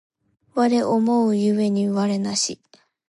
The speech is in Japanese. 我思う故に我なし